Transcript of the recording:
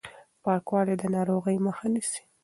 پاکوالی د ناروغۍ مخه نيسي.